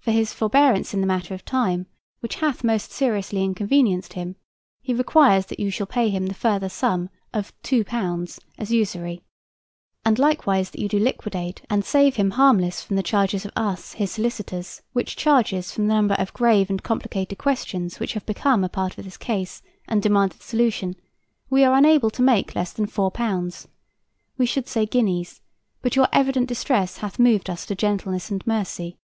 For his forbearance in the matter of time, which hath most seriously inconvenienced him, he requires that you shall pay him the further sum of £2 as usury, and likewise that you do liquidate and save him harmless from the charges of us, his solicitors, which charges, from the number of grave and complicated questions which have become a part of this case and demanded solution, we are unable to make less than £4. We should say guineas, but your evident distress hath moved us to gentleness and mercy.